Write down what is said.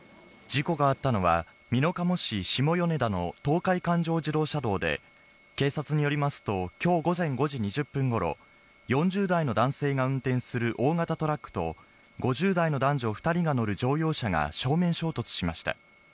事故があったのは、美濃加茂市しもよねだの東海環状自動車道で、警察によりますと、きょう午前５時２０分ごろ、４０代の男性が運転する大型トラックと、５０代の男女２人が乗る乗用車が正面衝突しました。